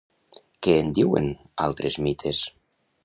Què en diuen altres mites?